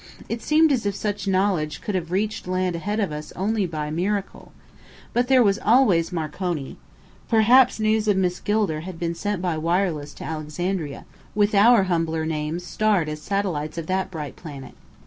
It seemed as if such knowledge could have reached land ahead of us only by miracle. But there was always Marconi. Perhaps news of Miss Gilder had been sent by wireless to Alexandria, with our humbler names starred as satellites of that bright planet.